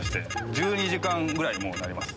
１２時間ぐらいになります。